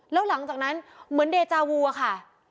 แล้วหลังจากนั้นเหมือนเดจาวัวค่ะ